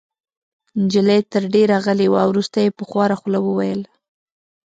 نجلۍ تر دېره غلې وه. وروسته يې په خواره خوله وویل: